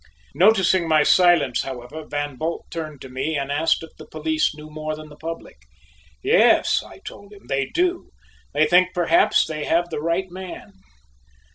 Noticing my silence, however, Van Bult turned to me and asked if the police knew more than the public. "Yes," I told him, "they do; they think perhaps they have the right man."